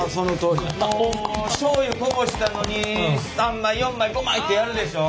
しょうゆこぼしたのに３枚４枚５枚ってやるでしょ？